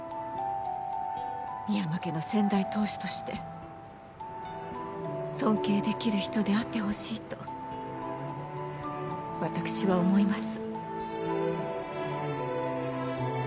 深山家の先代当主として尊敬できる人であってほしいと私は思います。